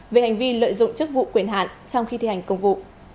về hành vi lợi dụng chức vụ quyền hạn trong khi thi hành công vụ